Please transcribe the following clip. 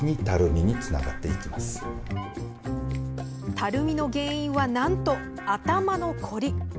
たるみの原因はなんと頭の凝り。